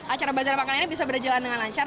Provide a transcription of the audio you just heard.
acara bazar makanan ini bisa berjalan dengan lancar